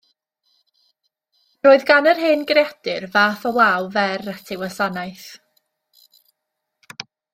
Yr oedd gan yr hen greadur fath o law fer at ei wasanaeth.